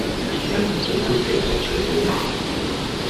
你唔好嘟起個嘴好嗎?